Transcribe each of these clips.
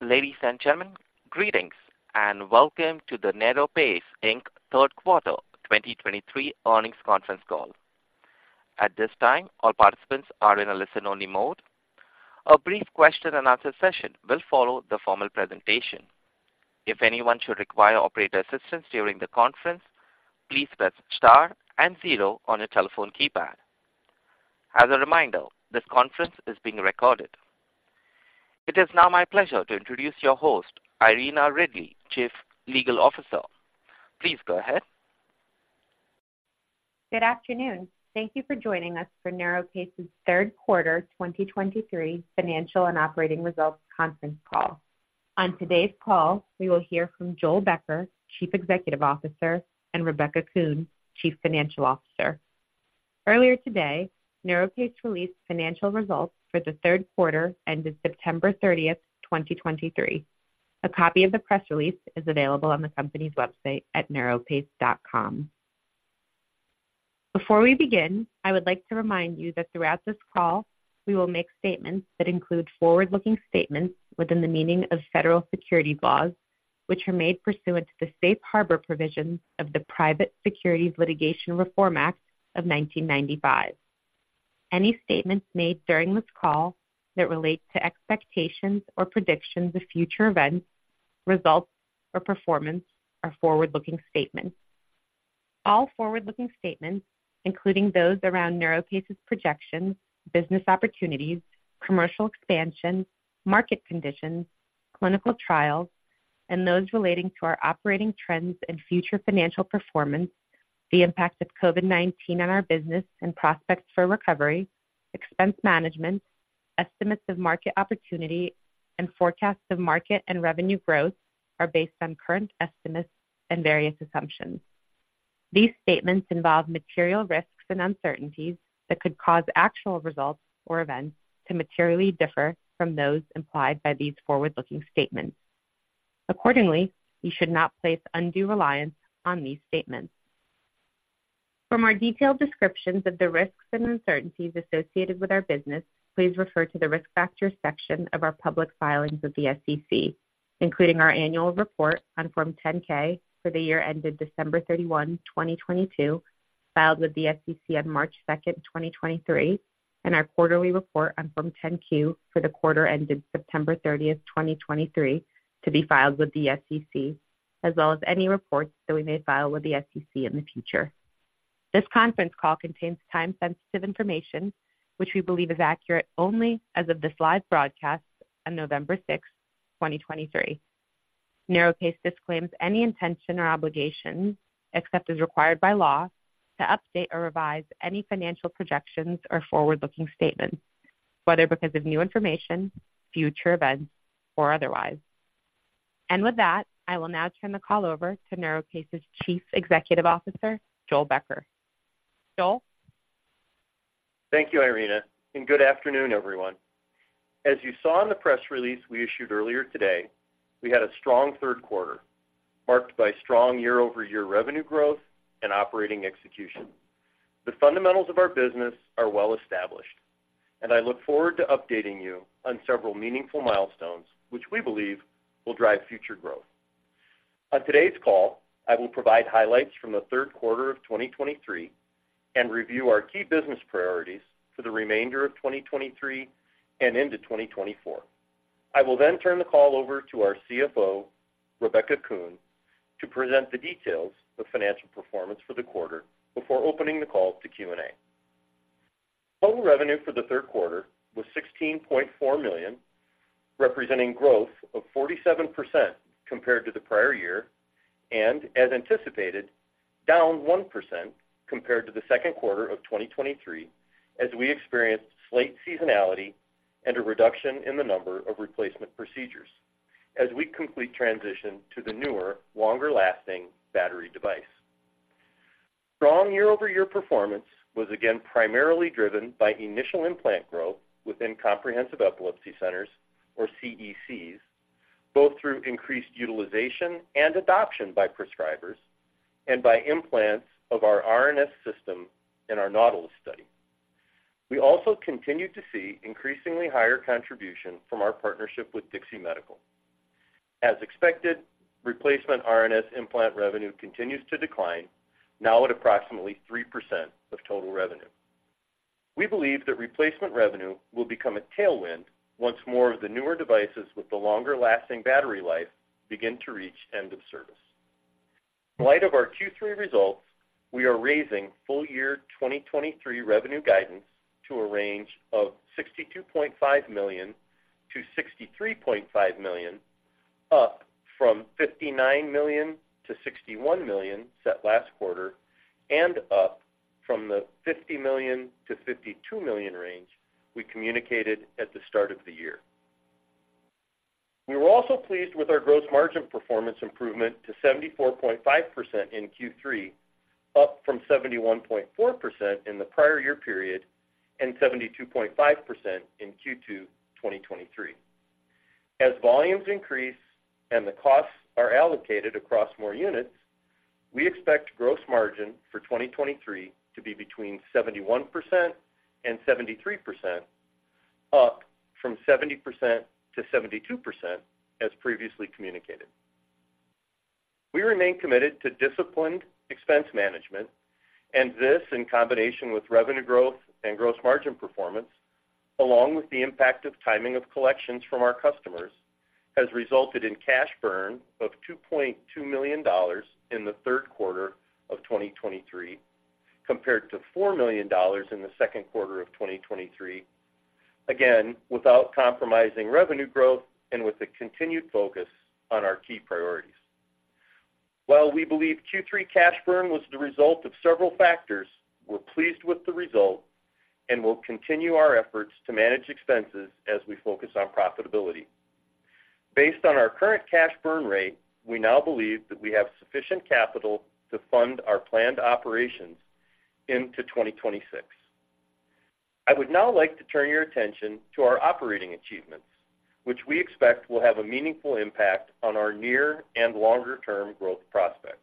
Ladies and gentlemen, greetings, and welcome to the NeuroPace Inc. Third Quarter 2023 Earnings Conference Call. At this time, all participants are in a listen-only mode. A brief Q&A session will follow the formal presentation. If anyone should require operator assistance during the conference, please press star and zero on your telephone keypad. As a reminder, this conference is being recorded. It is now my pleasure to introduce your host, Irina Ridley, Chief Legal Officer. Please go ahead. Good afternoon. Thank you for joining us for NeuroPace's third quarter 2023 financial and operating results conference call. On today's call, we will hear from Joel Becker, Chief Executive Officer, and Rebecca Kuhn, Chief Financial Officer. Earlier today, NeuroPace released financial results for the third quarter ended September 30, 2023. A copy of the press release is available on the company's website at neuropace.com. Before we begin, I would like to remind you that throughout this call, we will make statements that include forward-looking statements within the meaning of federal securities laws, which are made pursuant to the Safe Harbor provisions of the Private Securities Litigation Reform Act of 1995. Any statements made during this call that relate to expectations or predictions of future events, results, or performance are forward-looking statements. All forward-looking statements, including those around NeuroPace's projections, business opportunities, commercial expansion, market conditions, clinical trials, and those relating to our operating trends and future financial performance, the impact of COVID-19 on our business and prospects for recovery, expense management, estimates of market opportunity, and forecasts of market and revenue growth, are based on current estimates and various assumptions. These statements involve material risks and uncertainties that could cause actual results or events to materially differ from those implied by these forward-looking statements. Accordingly, you should not place undue reliance on these statements. For more detailed descriptions of the risks and uncertainties associated with our business, please refer to the Risk Factors section of our public filings with the SEC, including our annual report on Form 10-K for the year ended December 31, 2022, filed with the SEC on March 2, 2023, and our quarterly report on Form 10-Q for the quarter ended September 30, 2023, to be filed with the SEC, as well as any reports that we may file with the SEC in the future. This conference call contains time-sensitive information, which we believe is accurate only as of this live broadcast on November 6, 2023. NeuroPace disclaims any intention or obligation, except as required by law, to update or revise any financial projections or forward-looking statements, whether because of new information, future events, or otherwise. With that, I will now turn the call over to NeuroPace's Chief Executive Officer, Joel Becker. Joel? Thank you, Irina, and good afternoon, everyone. As you saw in the press release we issued earlier today, we had a strong third quarter, marked by strong year-over-year revenue growth and operating execution. The fundamentals of our business are well established, and I look forward to updating you on several meaningful milestones, which we believe will drive future growth. On today's call, I will provide highlights from the third quarter of 2023 and review our key business priorities for the remainder of 2023 and into 2024. I will then turn the call over to our CFO, Rebecca Kuhn, to present the details of financial performance for the quarter before opening the call to Q&A. Total revenue for the third quarter was $16.4 million, representing growth of 47% compared to the prior year, and, as anticipated, down 1% compared to the second quarter of 2023, as we experienced slight seasonality and a reduction in the number of replacement procedures as we complete transition to the newer, longer-lasting battery device. Strong year-over-year performance was again primarily driven by initial implant growth within Comprehensive Epilepsy Centers, or CECs, both through increased utilization and adoption by prescribers and by implants of our RNS System in our NAUTILUS study. We also continued to see increasingly higher contribution from our partnership with DIXI medical. As expected, replacement RNS implant revenue continues to decline, now at approximately 3% of total revenue. We believe that replacement revenue will become a tailwind once more of the newer devices with the longer-lasting battery life begin to reach end of service. In light of our Q3 results, we are raising full year 2023 revenue guidance to a range of $62.5 million-$63.5 million, up from $59 million-$61 million set last quarter, and up from the $50 million-$52 million range we communicated at the start of the year. We were also pleased with our gross margin performance improvement to 74.5% in Q3, up from 71.4% in the prior year period and 72.5% in Q2 2023. As volumes increase and the costs are allocated across more units. We expect gross margin for 2023 to be between 71% and 73%, up from 70%-72%, as previously communicated. We remain committed to disciplined expense management, and this, in combination with revenue growth and gross margin performance, along with the impact of timing of collections from our customers, has resulted in cash burn of $2.2 million in the third quarter of 2023, compared to $4 million in the second quarter of 2023, again, without compromising revenue growth and with a continued focus on our key priorities. While we believe Q3 cash burn was the result of several factors, we're pleased with the result and will continue our efforts to manage expenses as we focus on profitability. Based on our current cash burn rate, we now believe that we have sufficient capital to fund our planned operations into 2026. I would now like to turn your attention to our operating achievements, which we expect will have a meaningful impact on our near and longer-term growth prospects.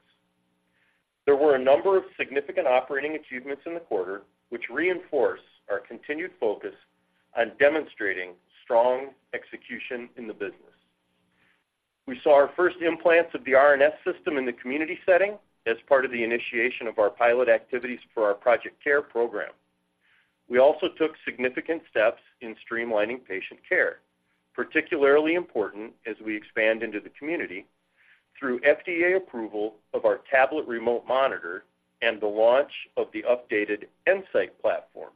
There were a number of significant operating achievements in the quarter, which reinforce our continued focus on demonstrating strong execution in the business. We saw our first implants of the RNS System in the community setting as part of the initiation of our pilot activities for our Project CARE program. We also took significant steps in streamlining patient care, particularly important as we expand into the community, through FDA approval of our Tablet Remote Monitor and the launch of the updated nSight Platform.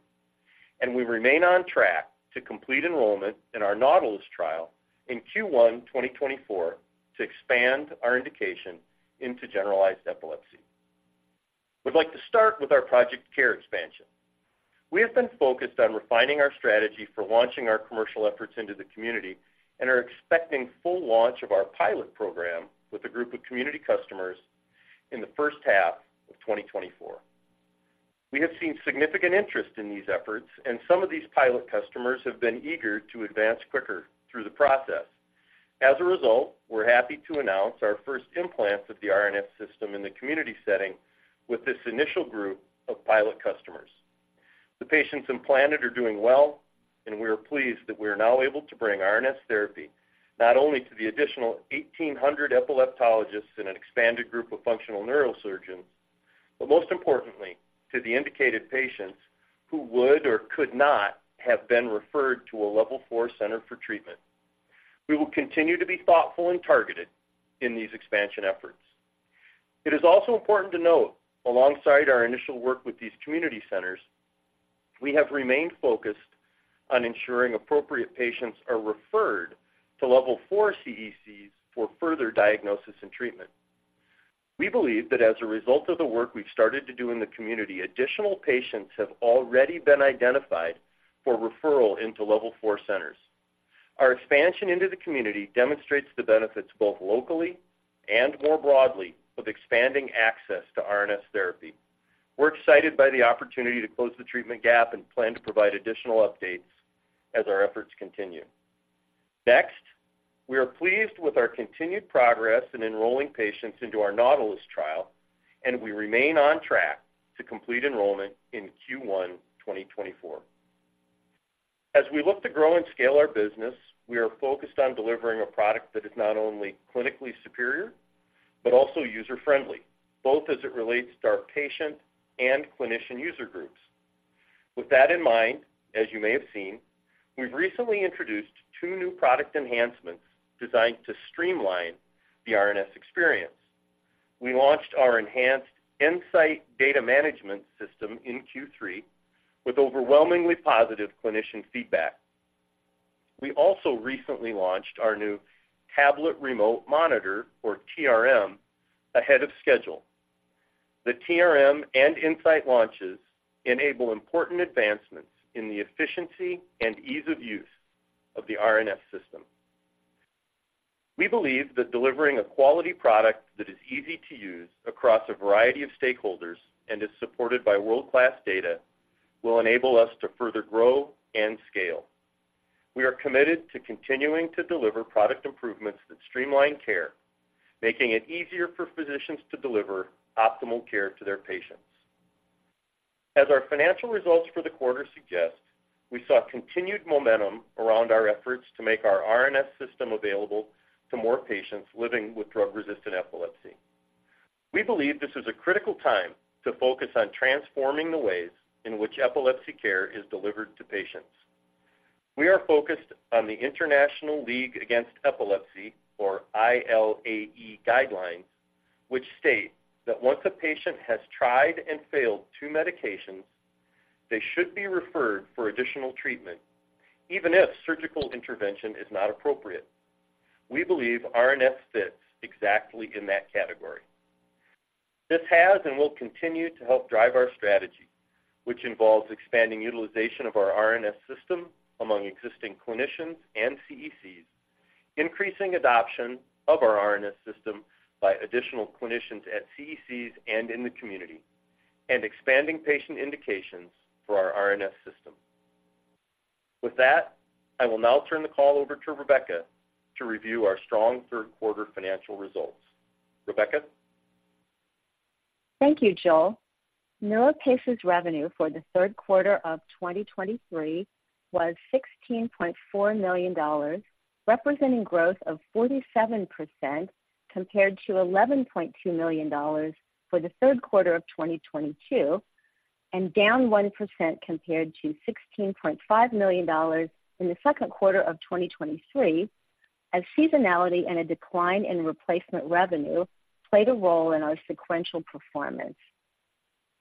We remain on track to complete enrollment in our NAUTILUS trial in Q1 2024 to expand our indication into generalized epilepsy. We'd like to start with our Project CARE expansion. We have been focused on refining our strategy for launching our commercial efforts into the community and are expecting full launch of our pilot program with a group of community customers in the first half of 2024. We have seen significant interest in these efforts, and some of these pilot customers have been eager to advance quicker through the process. As a result, we're happy to announce our first implants of the RNS System in the community setting with this initial group of pilot customers. The patients implanted are doing well, and we are pleased that we are now able to bring RNS therapy not only to the additional 1,800 epileptologists in an expanded group of functional neurosurgeons, but most importantly, to the indicated patients who would or could not have been referred to a Level Four center for treatment. We will continue to be thoughtful and targeted in these expansion efforts. It is also important to note, alongside our initial work with these community centers, we have remained focused on ensuring appropriate patients are referred to Level Four CECs for further diagnosis and treatment. We believe that as a result of the work we've started to do in the community, additional patients have already been identified for referral into Level Four centers. Our expansion into the community demonstrates the benefits, both locally and more broadly, of expanding access to RNS therapy. We're excited by the opportunity to close the treatment gap and plan to provide additional updates as our efforts continue. Next, we are pleased with our continued progress in enrolling patients into our NAUTILUS trial, and we remain on track to complete enrollment in Q1 2024. As we look to grow and scale our business, we are focused on delivering a product that is not only clinically superior, but also user-friendly, both as it relates to our patient and clinician user groups. With that in mind, as you may have seen, we've recently introduced two new product enhancements designed to streamline the RNS experience. We launched our enhanced nSight data management system in Q3 with overwhelmingly positive clinician feedback. We also recently launched our new Tablet Remote Monitor, or TRM, ahead of schedule. The TRM and nSight launches enable important advancements in the efficiency and ease of use of the RNS System. We believe that delivering a quality product that is easy to use across a variety of stakeholders and is supported by world-class data will enable us to further grow and scale. We are committed to continuing to deliver product improvements that streamline care, making it easier for physicians to deliver optimal care to their patients. As our financial results for the quarter suggest, we saw continued momentum around our efforts to make our RNS System available to more patients living with drug-resistant epilepsy. We believe this is a critical time to focus on transforming the ways in which epilepsy care is delivered to patients. We are focused on the International League Against Epilepsy, or ILAE, guidelines, which state that once a patient has tried and failed two medications, they should be referred for additional treatment, even if surgical intervention is not appropriate. We believe RNS fits exactly in that category. This has and will continue to help drive our strategy, which involves expanding utilization of our RNS System among existing clinicians and CECs, increasing adoption of our RNS System by additional clinicians at CECs and in the community, and expanding patient indications for our RNS System. With that, I will now turn the call over to Rebecca to review our strong third quarter financial results. Rebecca? Thank you, Joel. NeuroPace's revenue for the third quarter of 2023 was $16.4 million, representing growth of 47% compared to $11.2 million for the third quarter of 2022, and down 1% compared to $16.5 million in the second quarter of 2023, as seasonality and a decline in replacement revenue played a role in our sequential performance.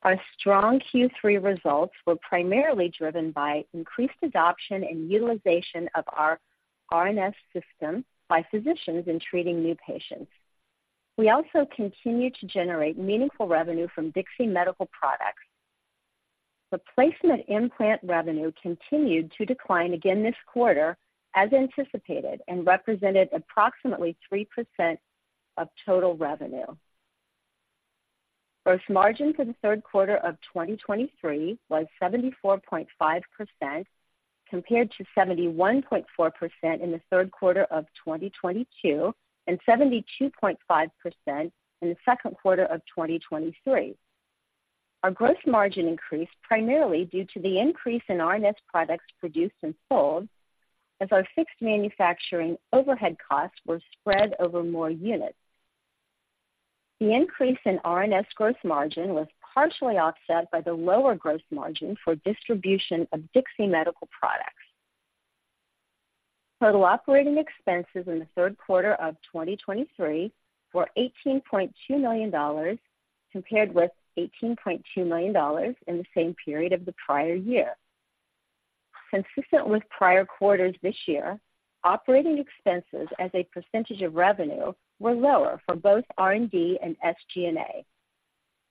Our strong Q3 results were primarily driven by increased adoption and utilization of our RNS System by physicians in treating new patients. We also continued to generate meaningful revenue from DIXI medical products. Replacement implant revenue continued to decline again this quarter, as anticipated, and represented approximately 3% of total revenue. Gross margin for the third quarter of 2023 was 74.5%, compared to 71.4% in the third quarter of 2022, and 72.5% in the second quarter of 2023. Our gross margin increased primarily due to the increase in RNS products produced and sold, as our fixed manufacturing overhead costs were spread over more units. The increase in RNS gross margin was partially offset by the lower gross margin for distribution of DIXI medical products. Total operating expenses in the third quarter of 2023 were $18.2 million, compared with $18.2 million in the same period of the prior year. Consistent with prior quarters this year, operating expenses as a percentage of revenue were lower for both R&D and SG&A.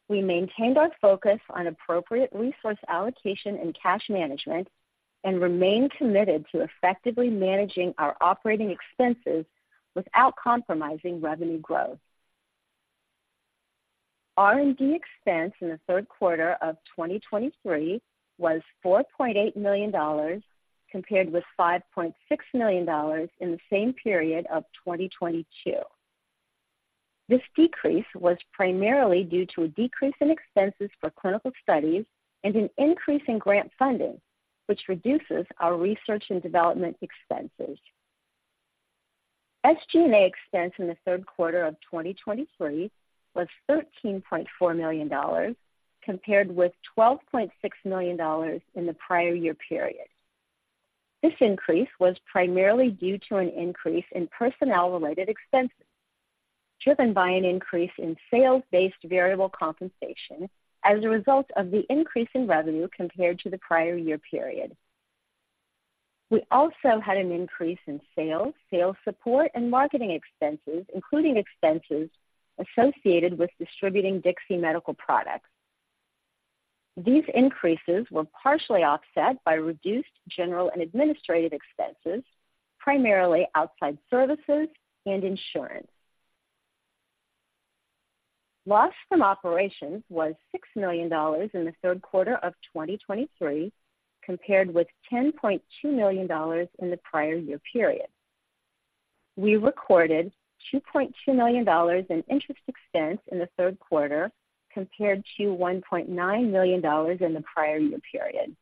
We maintained our focus on appropriate resource allocation and cash management and remain committed to effectively managing our operating expenses without compromising revenue growth. R&D expense in the third quarter of 2023 was $4.8 million, compared with $5.6 million in the same period of 2022. This decrease was primarily due to a decrease in expenses for clinical studies and an increase in grant funding, which reduces our research and development expenses. SG&A expense in the third quarter of 2023 was $13.4 million, compared with $12.6 million in the prior year period. This increase was primarily due to an increase in personnel-related expenses, driven by an increase in sales-based variable compensation as a result of the increase in revenue compared to the prior year period. We also had an increase in sales, sales support, and marketing expenses, including expenses associated with distributing DIXI medical products. These increases were partially offset by reduced general and administrative expenses, primarily outside services and insurance. Loss from operations was $6 million in the third quarter of 2023, compared with $10.2 million in the prior year period. We recorded $2.2 million in interest expense in the third quarter, compared to $1.9 million in the prior year period.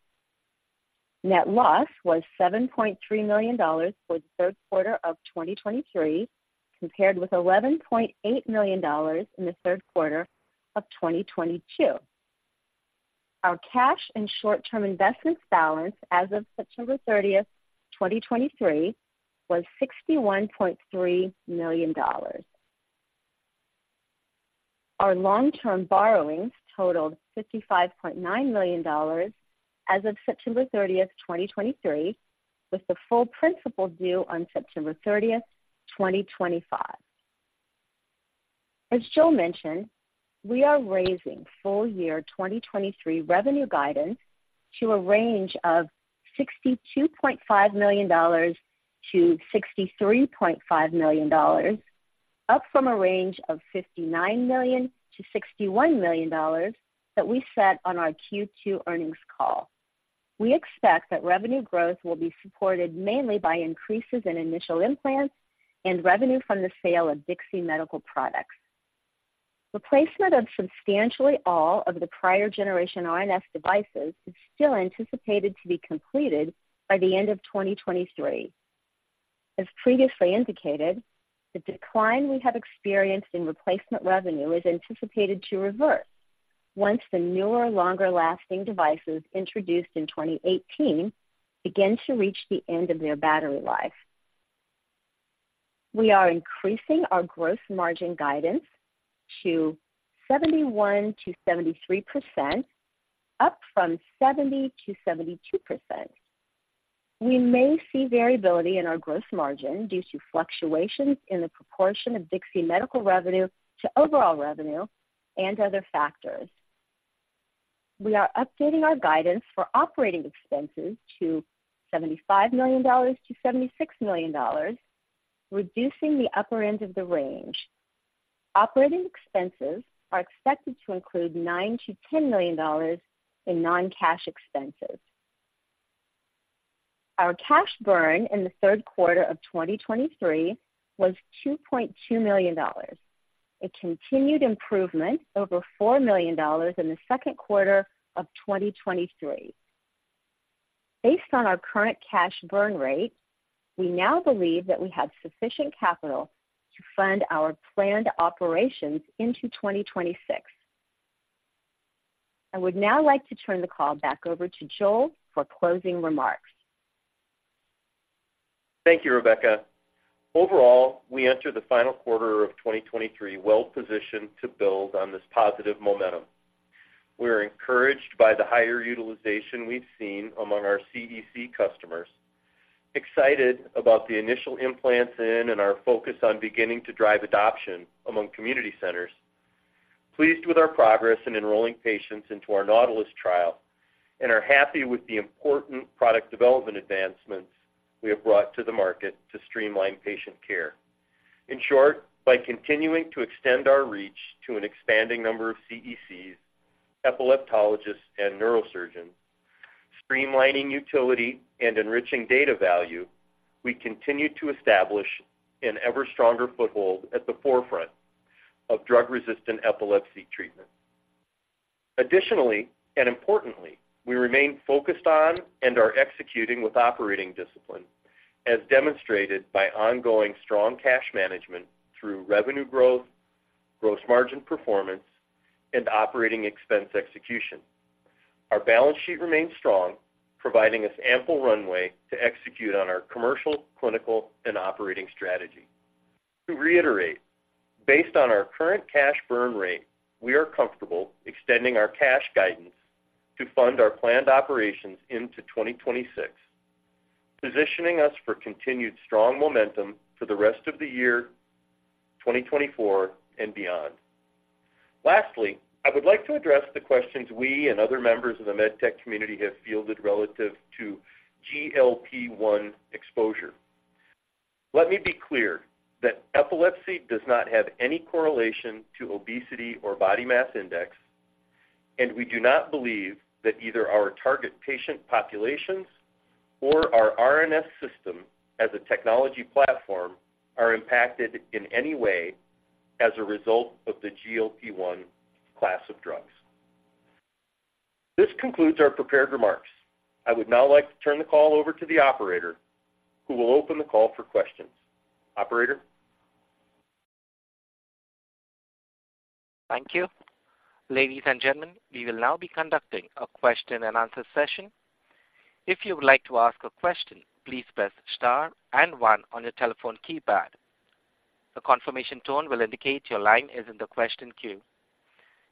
Net loss was $7.3 million for the third quarter of 2023, compared with $11.8 million in the third quarter of 2022. Our cash and short-term investments balance as of September 30, 2023, was $61.3 million. Our long-term borrowings totaled $55.9 million as of September 30, 2023, with the full principal due on September 30, 2025. As Joel mentioned, we are raising full year 2023 revenue guidance to a range of $62.5 million-$63.5 million, up from a range of $59 million-$61 million that we set on our Q2 earnings call. We expect that revenue growth will be supported mainly by increases in initial implants and revenue from the sale of DIXI medical products. Replacement of substantially all of the prior generation RNS devices is still anticipated to be completed by the end of 2023. As previously indicated, the decline we have experienced in replacement revenue is anticipated to reverse once the newer, longer-lasting devices introduced in 2018 begin to reach the end of their battery life. We are increasing our gross margin guidance to 71%-73%, up from 70%-72%. We may see variability in our gross margin due to fluctuations in the proportion of DIXI medical revenue to overall revenue and other factors. We are updating our guidance for operating expenses to $75 million-$76 million, reducing the upper end of the range. Operating expenses are expected to include $9 million-$10 million in non-cash expenses. Our cash burn in the third quarter of 2023 was $2.2 million, a continued improvement over $4 million in the second quarter of 2023. Based on our current cash burn rate, we now believe that we have sufficient capital to fund our planned operations into 2026. I would now like to turn the call back over to Joel for closing remarks. Thank you, Rebecca. Overall, we enter the final quarter of 2023 well positioned to build on this positive momentum. We're encouraged by the higher utilization we've seen among our CEC customers, excited about the initial implants in and our focus on beginning to drive adoption among community centers, pleased with our progress in enrolling patients into our NAUTILUS trial, and are happy with the important product development advancements we have brought to the market to streamline patient care. In short, by continuing to extend our reach to an expanding number of CECs, epileptologists, and neurosurgeons, streamlining utility and enriching data value, we continue to establish an ever stronger foothold at the forefront of drug-resistant epilepsy treatment. Additionally, and importantly, we remain focused on and are executing with operating discipline, as demonstrated by ongoing strong cash management through revenue growth, gross margin performance, and operating expense execution. Our balance sheet remains strong, providing us ample runway to execute on our commercial, clinical, and operating strategy. To reiterate, based on our current cash burn rate, we are comfortable extending our cash guidance to fund our planned operations into 2026, positioning us for continued strong momentum for the rest of the year, 2024 and beyond. Lastly, I would like to address the questions we and other members of the med tech community have fielded relative to GLP-1 exposure. Let me be clear that epilepsy does not have any correlation to obesity or body mass index, and we do not believe that either our target patient populations or our RNS System as a technology platform are impacted in any way as a result of the GLP-1 class of drugs. This concludes our prepared remarks. I would now like to turn the call over to the operator, who will open the call for questions. Operator? Thank you. Ladies and gentlemen, we will now be conducting a Q&A session. If you would like to ask a question, please press star and one on your telephone keypad. A confirmation tone will indicate your line is in the question queue.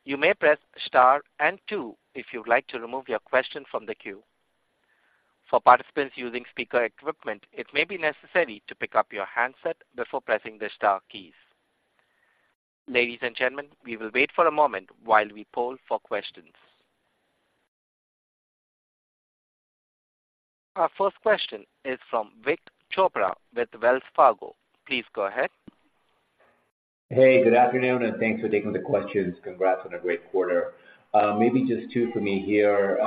You may press star and two if you would like to remove your question from the queue. For participants using speaker equipment, it may be necessary to pick up your handset before pressing the star keys. Ladies and gentlemen, we will wait for a moment while we poll for questions. Our first question is from Vik Chopra with Wells Fargo. Please go ahead. Hey, good afternoon, and thanks for taking the questions. Congrats on a great quarter. Maybe just two for me here.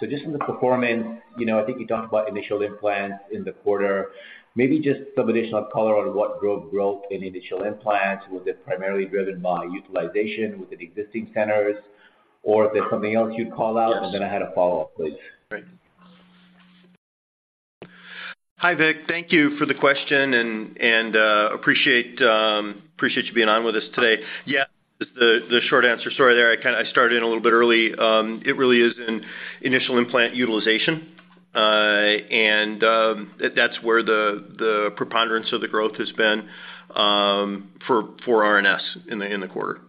So just on the performance, you know, I think you talked about initial implants in the quarter. Maybe just some additional color on what drove growth in initial implants. Was it primarily driven by utilization within existing centers, or is there something else you'd call out? Yes. I had a follow-up, please. Great. Hi, Vik. Thank you for the question and appreciate you being on with us today. Yeah, the short answer story there, I kinda started in a little bit early. It really is an initial implant utilization. And that's where the preponderance of the growth has been for RNS in the quarter.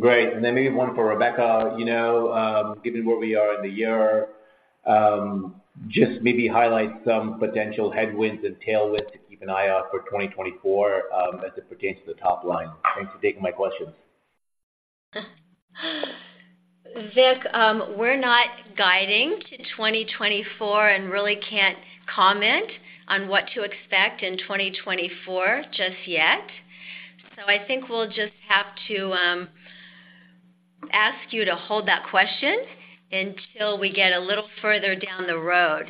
Great. And then maybe one for Rebecca. You know, given where we are in the year, just maybe highlight some potential headwinds and tailwinds to keep an eye out for 2024, as it pertains to the top line. Thanks for taking my questions. Vik, we're not guiding to 2024 and really can't comment on what to expect in 2024 just yet. So I think we'll just have to ask you to hold that question until we get a little further down the road.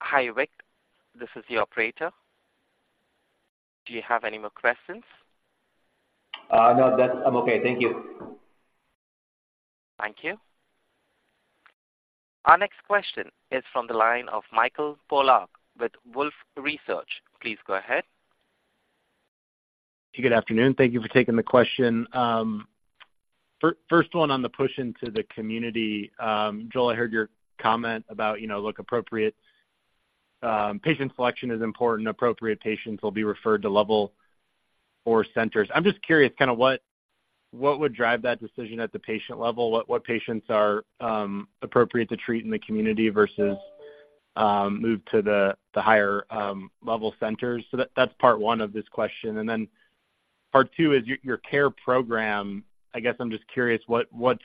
Hi, Vik, this is the operator. Do you have any more questions? No, that's. I'm okay. Thank you. Thank you. Our next question is from the line of Mike Polark with Wolfe Research. Please go ahead. Good afternoon. Thank you for taking the question. First one on the push into the community. Joel, I heard your comment about, you know, look, appropriate patient selection is important. Appropriate patients will be referred to Level Four centers. I'm just curious, kinda, what would drive that decision at the patient level? What patients are appropriate to treat in the community versus move to the higher Level Four centers? So that's part one of this question. And then, part two is your CARE program. I guess I'm just curious, what's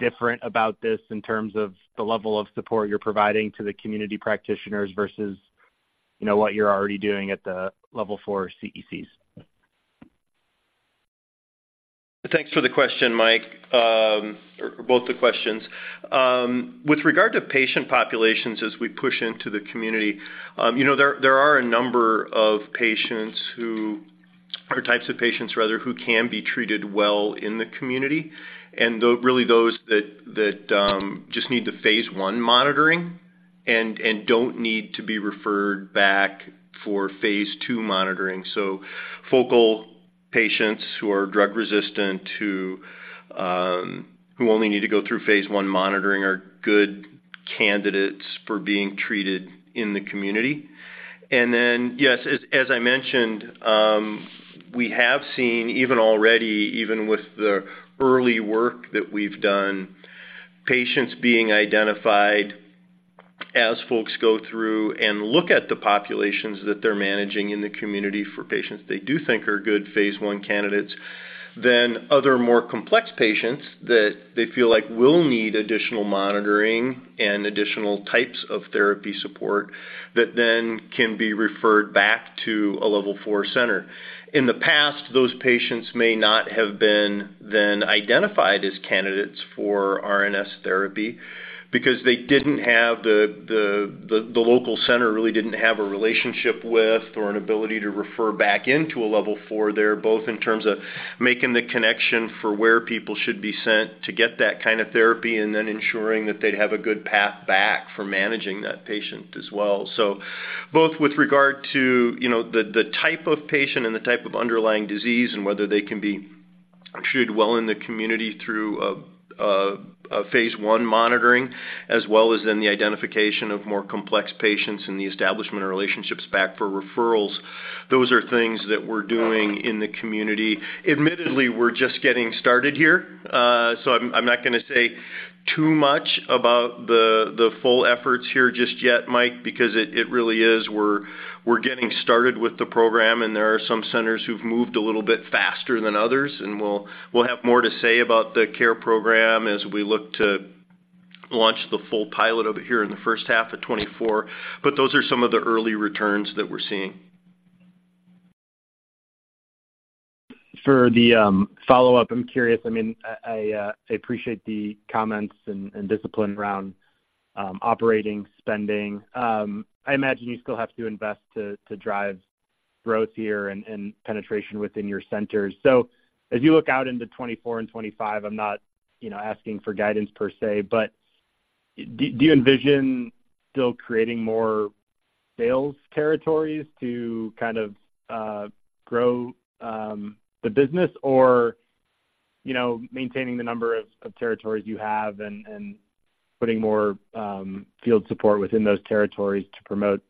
different about this in terms of the level of support you're providing to the community practitioners versus, you know, what you're already doing at the Level Four CECs? Thanks for the question, Mike, or both the questions. With regard to patient populations as we push into the community, you know, there are a number of patients who, or types of patients, rather, who can be treated well in the community, and really those that just need the phase I monitoring and don't need to be referred back for phase II monitoring. So focal patients who are drug-resistant, who only need to go through phase I monitoring, are good candidates for being treated in the community. Yes, as I mentioned, we have seen, even already, even with the early work that we've done, patients being identified as folks go through and look at the populations that they're managing in the community for patients they do think are good phase I candidates, then other more complex patients that they feel like will need additional monitoring and additional types of therapy support, that then can be referred back to a Level Four center. In the past, those patients may not have been then identified as candidates for RNS therapy because they didn't have the local center really didn't have a relationship with, or an ability to refer back into a Level Four there, both in terms of making the connection for where people should be sent to get that kind of therapy, and then ensuring that they'd have a good path back for managing that patient as well. So both with regard to, you know, the type of patient and the type of underlying disease, and whether they can be treated well in the community through a phase I monitoring, as well as in the identification of more complex patients and the establishment of relationships back for referrals. Those are things that we're doing in the community. Admittedly, we're just getting started here, so I'm not gonna say too much about the full efforts here just yet, Mike, because it really is we're getting started with the program, and there are some centers who've moved a little bit faster than others, and we'll have more to say about the CARE program as we look to launch the full pilot of it here in the first half of 2024. But those are some of the early returns that we're seeing. For the follow-up, I'm curious. I mean, I appreciate the comments and discipline around operating spending. I imagine you still have to invest to drive growth here and penetration within your centers. So as you look out into 2024 and 2025, I'm not, you know, asking for guidance per se, but do you envision still creating more sales territories to kind of grow the business, or, you know, maintaining the number of territories you have and putting more field support within those territories to promote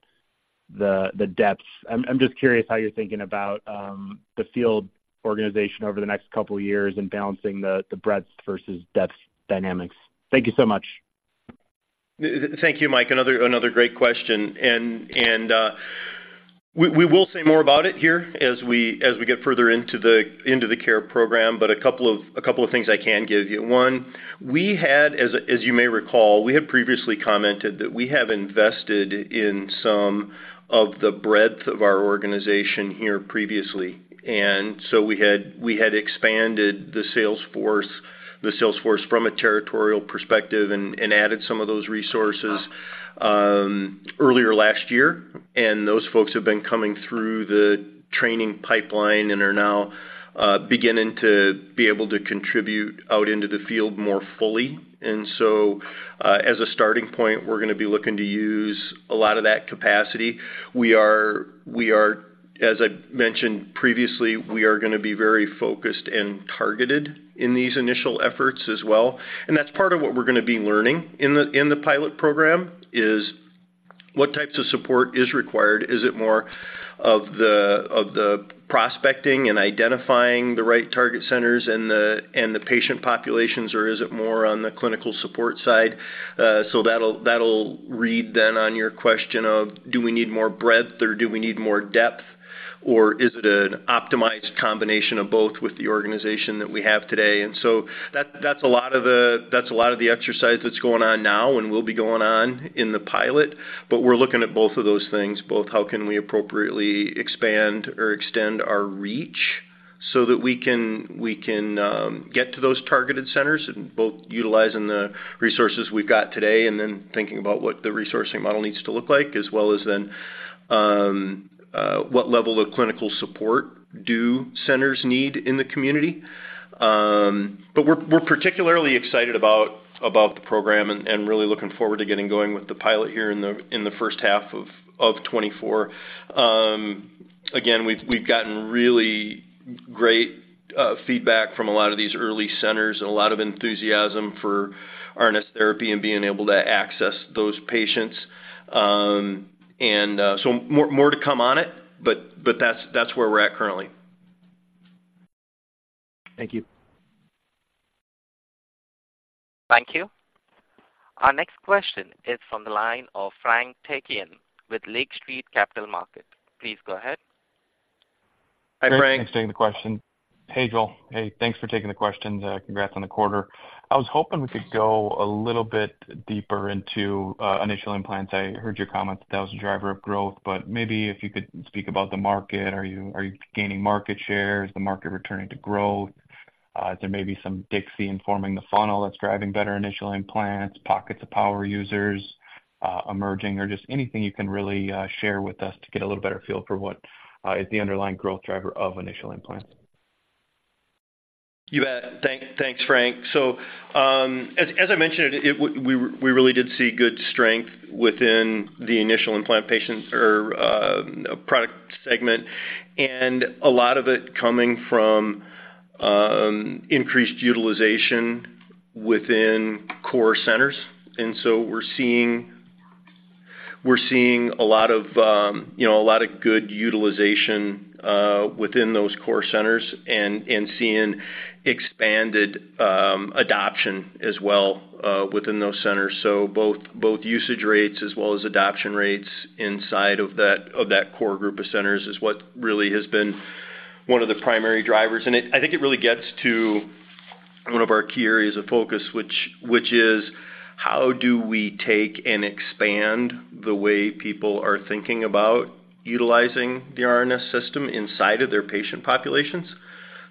the depths? I'm just curious how you're thinking about the field organization over the next couple of years and balancing the breadth versus depth dynamics. Thank you so much. Thank you, Mike. Another great question. We will say more about it here as we get further into the CARE program, but a couple of things I can give you. One, as you may recall, we had previously commented that we have invested in some of the breadth of our organization here previously. And so we had expanded the sales force from a territorial perspective and added some of those resources earlier last year. And those folks have been coming through the training pipeline and are now beginning to be able to contribute out into the field more fully. And so, as a starting point, we're gonna be looking to use a lot of that capacity. We are, as I mentioned previously, gonna be very focused and targeted in these initial efforts as well. And that's part of what we're gonna be learning in the pilot program, is what types of support is required. Is it more of the prospecting and identifying the right target centers and the patient populations, or is it more on the clinical support side? So that'll read then on your question of, do we need more breadth, or do we need more depth, or is it an optimized combination of both with the organization that we have today? And so that's a lot of the exercise that's going on now, and will be going on in the pilot. But we're looking at both of those things, both how we can appropriately expand or extend our reach so that we can get to those targeted centers, and both utilizing the resources we've got today, and then thinking about what the resourcing model needs to look like, as well as then what level of clinical support do centers need in the community? But we're particularly excited about the program and really looking forward to getting going with the pilot here in the first half of 2024. Again, we've gotten really great feedback from a lot of these early centers and a lot of enthusiasm for RNS therapy and being able to access those patients. And so more to come on it, but that's where we're at currently. Thank you. Thank you. Our next question is from the line of Frank Takkinen with Lake Street Capital Markets. Please go ahead. Hi, Frank. Thanks for taking the question. Hey, Joel. Hey, thanks for taking the questions. Congrats on the quarter. I was hoping we could go a little bit deeper into initial implants. I heard your comments, that was a driver of growth, but maybe if you could speak about the market. Are you gaining market share? Is the market returning to growth? There may be some DIXI informing the funnel that's driving better initial implants, pockets of power users emerging, or just anything you can really share with us to get a little better feel for what is the underlying growth driver of initial implant. You bet. Thanks, Frank. So, as I mentioned, we really did see good strength within the initial implant patient or product segment, and a lot of it coming from increased utilization within core centers. And so we're seeing a lot of, you know, a lot of good utilization within those core centers and seeing expanded adoption as well within those centers. So both usage rates as well as adoption rates inside of that core group of centers is what really has been one of the primary drivers. And it. I think it really gets to one of our key areas of focus, which is: how do we take and expand the way people are thinking about utilizing the RNS System inside of their patient populations?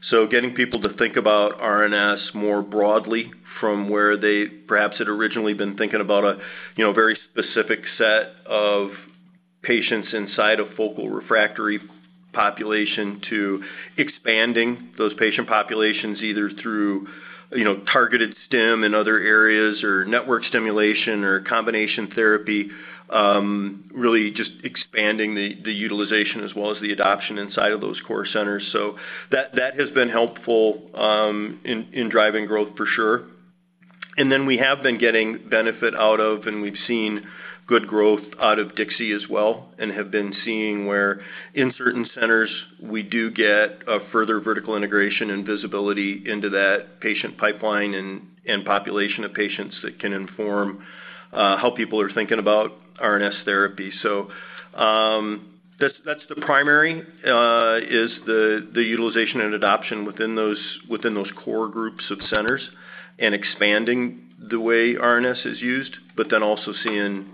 So getting people to think about RNS more broadly from where they perhaps had originally been thinking about a, you know, very specific set of patients inside a focal refractory population, to expanding those patient populations, either through, you know, targeted stim in other areas, or network stimulation, or combination therapy, really just expanding the utilization as well as the adoption inside of those core centers. So that has been helpful in driving growth for sure. And then we have been getting benefit out of, and we've seen good growth out of DIXI as well, and have been seeing where in certain centers we do get a further vertical integration and visibility into that patient pipeline and population of patients that can inform how people are thinking about RNS therapy. So, that's the primary: the utilization and adoption within those core groups of centers and expanding the way RNS is used, but then also seeing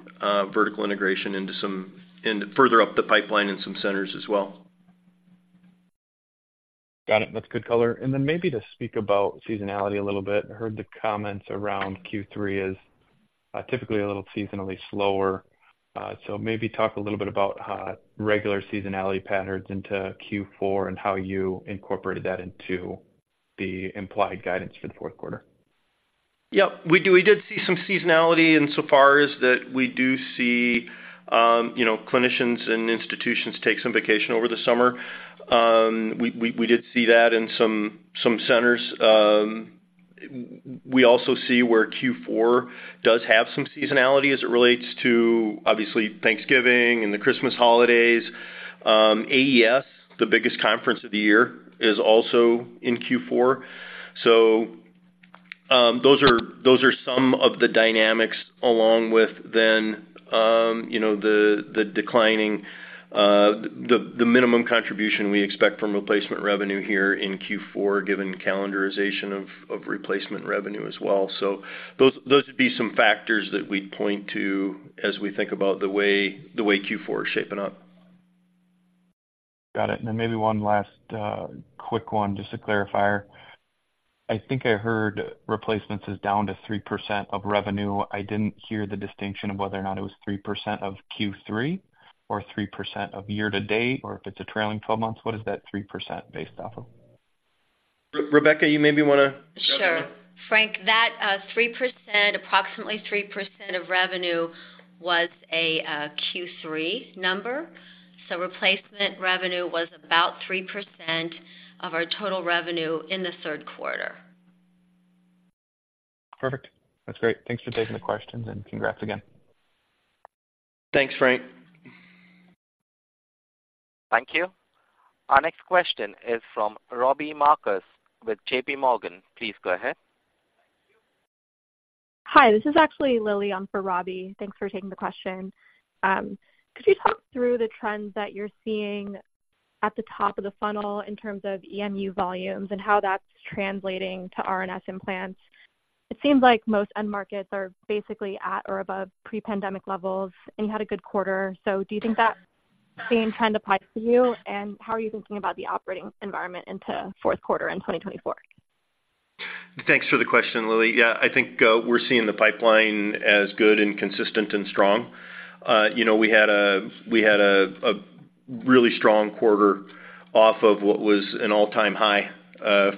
vertical integration into some, in further up the pipeline, in some centers as well. Got it. That's good color. Then maybe to speak about seasonality a little bit. I heard the comments around Q3 is typically a little seasonally slower. So maybe talk a little bit about regular seasonality patterns into Q4 and how you incorporated that into the implied guidance for the fourth quarter. Yep, we do. We did see some seasonality insofar as that we do see, you know, clinicians and institutions take some vacation over the summer. We did see that in some centers. We also see where Q4 does have some seasonality as it relates to, obviously, Thanksgiving and the Christmas holidays. AES, the biggest conference of the year, is also in Q4. So, those are some of the dynamics along with then, you know, the declining minimum contribution we expect from replacement revenue here in Q4, given calendarization of replacement revenue as well. So those would be some factors that we'd point to as we think about the way Q4 is shaping up. Got it. And then maybe one last quick one, just to clarify. I think I heard replacements is down to 3% of revenue. I didn't hear the distinction of whether or not it was 3% of Q3 or 3% of year to date, or if it's a trailing twelve months. What is that 3% based off of? Rebecca, you maybe want to? Sure. Frank, that three percent, approximately 3% of revenue was a Q3 number. So replacement revenue was about 3% of our total revenue in the third quarter. Perfect. That's great. Thanks for taking the questions, and congrats again. Thanks, Frank. Thank you. Our next question is from Robbie Marcus with JPMorgan. Please go ahead. Hi, this is actually Lily on for Robbie. Thanks for taking the question. Could you talk through the trends that you're seeing at the top of the funnel in terms of EMU volumes and how that's translating to RNS implants? It seems like most end markets are basically at or above pre-pandemic levels, and you had a good quarter. So do you think that same trend applies to you, and how are you thinking about the operating environment into fourth quarter in 2024? Thanks for the question, Lily. Yeah, I think we're seeing the pipeline as good and consistent and strong. You know, we had a really strong quarter off of what was an all-time high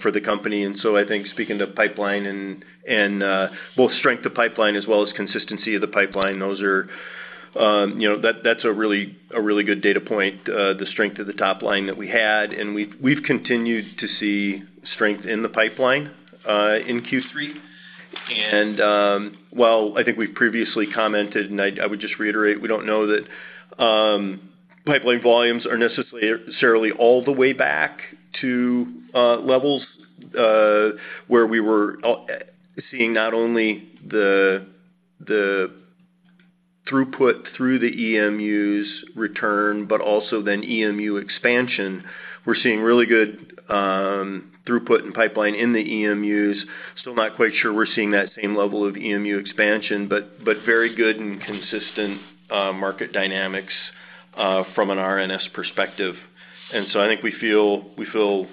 for the company. And so I think speaking to pipeline and both strength of pipeline as well as consistency of the pipeline, those are, you know, that's a really, a really good data point, the strength of the top line that we had. And we've continued to see strength in the pipeline in Q3. And while I think we've previously commented, and I would just reiterate, we don't know that pipeline volumes are necessarily all the way back to levels where we were seeing not only the throughput through the EMUs return, but also then EMU expansion. We're seeing really good throughput in pipeline in the EMUs. Still not quite sure we're seeing that same level of EMU expansion, but very good and consistent market dynamics from an RNS perspective. And so I think we feel, we feel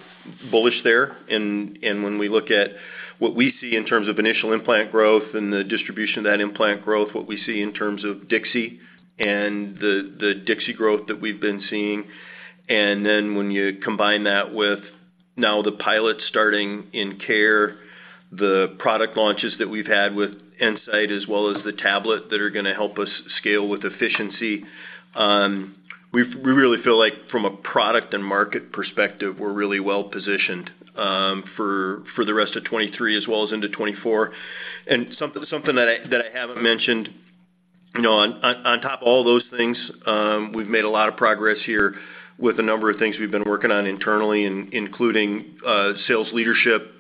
bullish there. And, and when we look at what we see in terms of initial implant growth and the distribution of that implant growth, what we see in terms of DIXI and the, the DIXI growth that we've been seeing, and then when you combine that with now the pilot starting in CARE, the product launches that we've had with nSight, as well as the tablet, that are gonna help us scale with efficiency, we really feel like from a product and market perspective, we're really well positioned, for the rest of 2023 as well as into 2024. Something that I haven't mentioned, you know, on top of all those things, we've made a lot of progress here with a number of things we've been working on internally, including sales leadership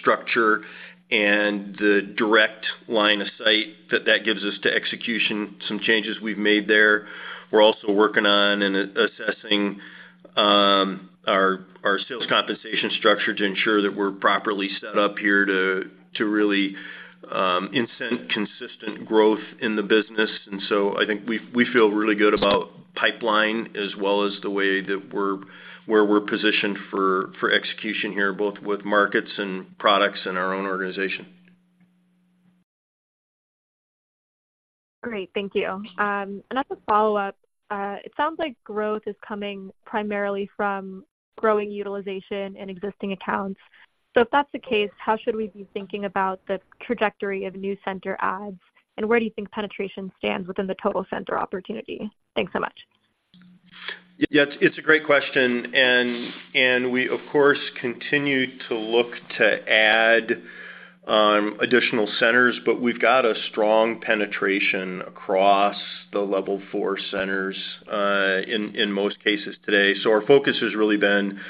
structure, and the direct line of sight that that gives us to execution, some changes we've made there. We're also working on and assessing our sales compensation structure to ensure that we're properly set up here to really incent consistent growth in the business. So I think we feel really good about pipeline as well as the way that we're positioned for execution here, both with markets and products and our own organization. Great, thank you. And as a follow-up, it sounds like growth is coming primarily from growing utilization in existing accounts. So if that's the case, how should we be thinking about the trajectory of new center adds, and where do you think penetration stands within the total center opportunity? Thanks so much. Yeah, it's a great question, and we, of course, continue to look to add additional centers, but we've got a strong penetration across the Level Four centers in most cases today. So our focus has really been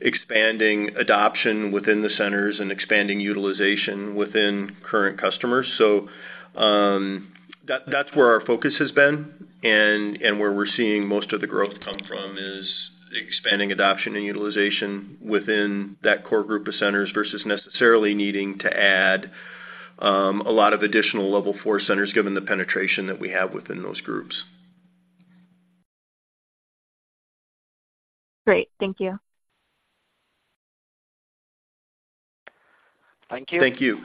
expanding adoption within the centers and expanding utilization within current customers. So, that's where our focus has been and where we're seeing most of the growth come from, is expanding adoption and utilization within that core group of centers versus necessarily needing to add a lot of additional Level Four centers, given the penetration that we have within those groups. Great. Thank you. Thank you. Thank you.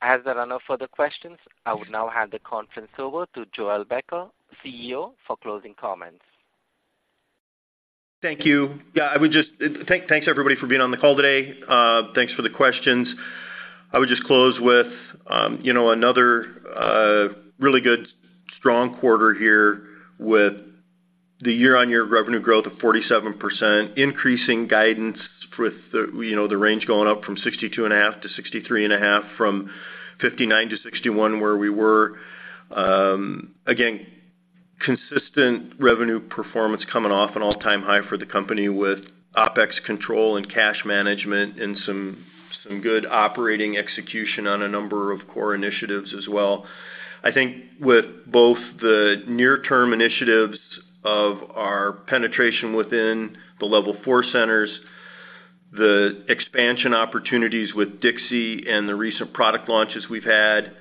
As there are no further questions, I would now hand the conference over to Joel Becker, CEO, for closing comments. Thank you. Yeah, I would just. thanks, everybody, for being on the call today. Thanks for the questions. I would just close with, you know, another, really good, strong quarter here with the year-on-year revenue growth of 47%, increasing guidance with the, you know, the range going up from 62.5-63.5, from 59-61, where we were. Again, consistent revenue performance coming off an all-time high for the company with OpEx control and cash management and some, some good operating execution on a number of core initiatives as well. I think with both the near-term initiatives of our penetration within the Level Four centers, the expansion opportunities with DIXI and the recent product launches we've had,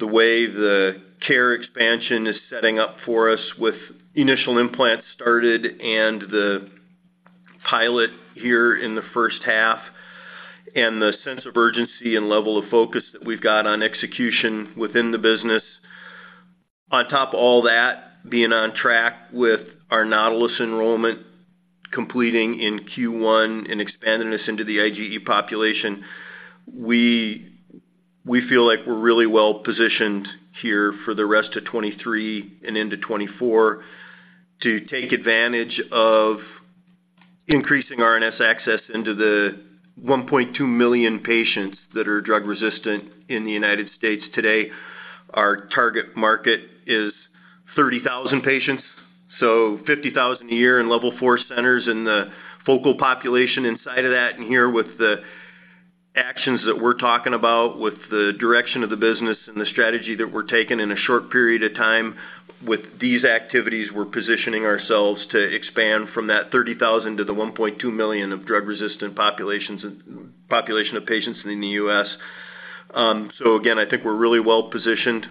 the way the CARE expansion is setting up for us with initial implants started and the pilot here in the first half, and the sense of urgency and level of focus that we've got on execution within the business. On top of all that, being on track with our NAUTILUS enrollment completing in Q1 and expanding this into the IGE population, we, we feel like we're really well positioned here for the rest of 2023 and into 2024 to take advantage of increasing RNS access into the 1.2 million patients that are drug-resistant in the United States today. Our target market is 30,000 patients, so 50,000 a year in Level Four centers in the focal population inside of that. Here, with the actions that we're talking about, with the direction of the business and the strategy that we're taking in a short period of time, with these activities, we're positioning ourselves to expand from that 30,000 to the 1.2 million drug-resistant population of patients in the U.S. So again, I think we're really well positioned,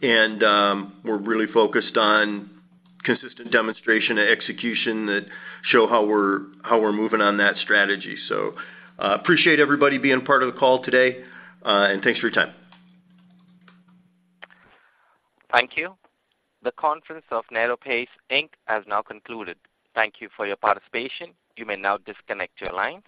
and we're really focused on consistent demonstration and execution that show how we're moving on that strategy. So, appreciate everybody being part of the call today, and thanks for your time. Thank you. The conference of NeuroPace Inc., has now concluded. Thank you for your participation. You may now disconnect your lines.